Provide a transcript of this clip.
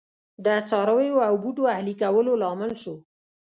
د څارویو او بوټو اهلي کولو لامل شو